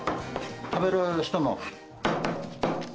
食べる人の。